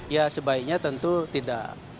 ya sebaiknya tentu tidak